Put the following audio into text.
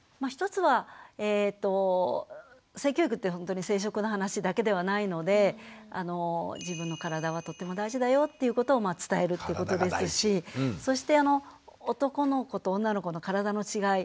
１つは性教育ってほんとに生殖の話だけではないので自分の体はとっても大事だよっていうことをまあ伝えるってことですしそして男の子と女の子の体の違い